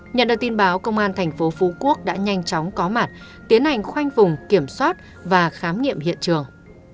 nhận được tin báo công an thành phố phú quốc đã nhanh chóng có mặt tiến hành khoanh vùng kiểm soát và khám nghiệm hiện trường